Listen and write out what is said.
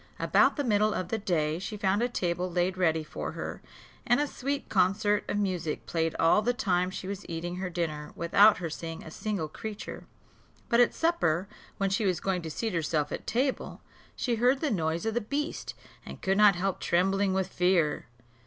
About the middle of the day, she found a table laid ready for her; and a sweet concert of music played all the time she was eating her dinner without her seeing a single creature. But at supper, when she was going to seat herself at table, she heard the noise of the beast, and could not help trembling with fear.